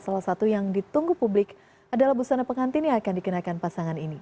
salah satu yang ditunggu publik adalah busana pengantin yang akan dikenakan pasangan ini